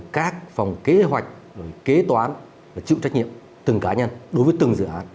các phòng kế hoạch kế toán chịu trách nhiệm từng cá nhân đối với từng dự án